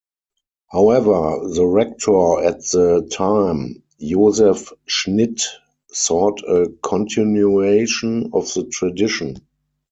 However, the rector at the time, Josef Schnitt, sought a continuation of the tradition.